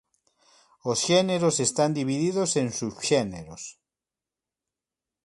Os xéneros están divididos en subxéneros.